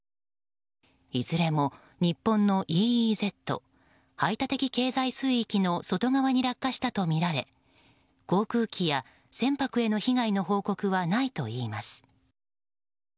いずれも日本のＥＥＺ・排他的経済水域の外側に落下したとみられ航空機や船舶への被害の報告はないといいます。